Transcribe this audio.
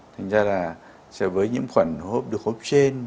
thật ra là với những khuẩn hô hấp được hô hấp trên